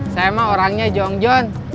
saya mah orangnya jongjon